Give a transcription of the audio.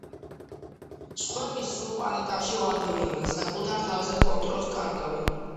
სხვები სრულ პანიკაში ვარდებიან და საკუთარ თავზე კონტროლს კარგავენ.